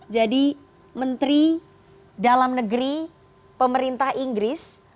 jadi menteri dalam negeri pemerintah inggris